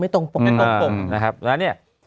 ตรง